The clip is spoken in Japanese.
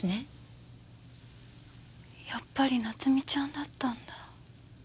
やっぱり菜津美ちゃんだったんだ。